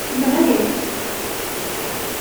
Yenɣa-yak-t.